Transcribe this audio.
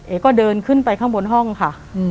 ก็เดินขึ้นไปข้างบนห้องค่ะ